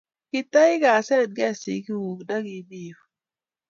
Kotaigasenenkey sigikuk nda gi mii yu.